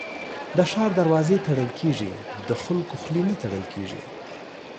د ښار دروازې تړل کېږي ، د خلکو خولې نه تړل کېږي.